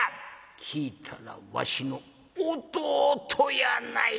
聞いたらわしの弟やないか。